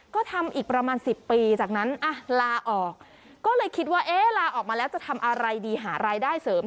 ก็ทำอีกประมาณ๑๐ปีจากนั้นลาออกก็เลยคิดว่าเอ๊ะลาออกมาแล้วจะทำอะไรดีหารายได้เสริม